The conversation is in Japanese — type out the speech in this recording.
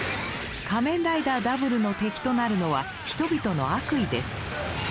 仮面ライダーＷの敵となるのは人々の悪意です。